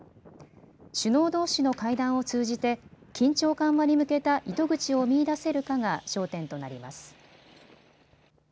首脳どうしの会談を通じて緊張緩和に向けた糸口を見いだせるかが焦点となります。